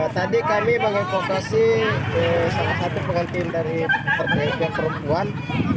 tadi kami bagi vokasi salah satu pengantin dari perkembang perempuan